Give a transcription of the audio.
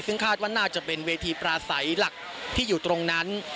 ซึ่งคาดว่าน่าจะเป็นเวทีปราศัยหลักที่อยู่ตรงนั้น